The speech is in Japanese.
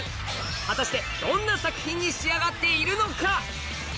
果たしてどんな作品に仕上がっているのか？